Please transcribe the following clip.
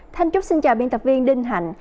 thanh chúc xin chào biên tập viên đinh hạnh